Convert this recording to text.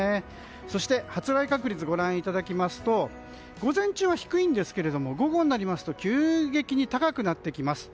そして、発雷確率をご覧いただきますと午前中は低いんですが午後になりますと急激に高くなってきます。